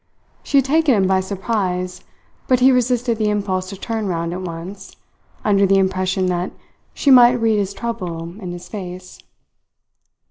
She had taken him by surprise, but he resisted the impulse to turn round at once under the impression that she might read his trouble in his face.